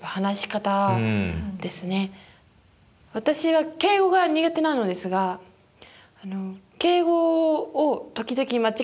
私は敬語が苦手なのですがあの敬語を時々間違ってしまう時があるんですね。